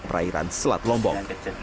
perairan selat lombok